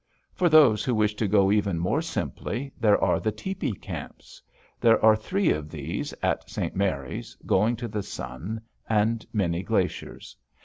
For those who wish to go even more simply, there are the tepee camps. There are three of these, at St. Mary's, Going to the Sun, and Many Glaciers.